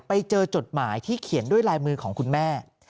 จดหมายที่เขียนด้วยลายมือของคุณแม่